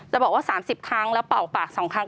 บอกว่า๓๐ครั้งแล้วเป่าปาก๒ครั้ง